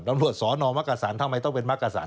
ตำรวจสอนอมักกษันทำไมต้องเป็นมักกษัน